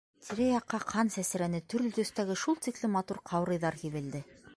Тирә-яҡҡа ҡан сәсрәне, төрлө төҫтәге, шул тиклем матур ҡаурыйҙар һибелде.